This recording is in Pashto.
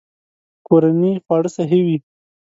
کورني خواړه صحي وي.